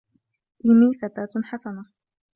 إيمي فتاة حسنة.